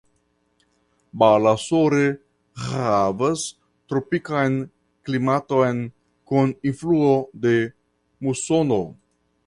Balasore havas tropikan klimaton kun influo de musono.